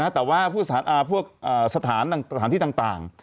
แต่ว่าพวกสถานที่ต่าง